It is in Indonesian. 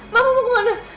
mama mau kemana